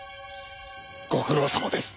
ご苦労さまです。